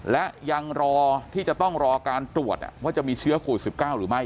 และยังรอที่จะต้องรอการตรวจว่าจะมีเชื้อโควิด๑๙หรือไม่